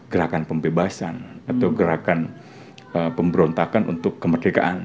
gerakan pembebasan atau gerakan pemberontakan untuk kemerdekaan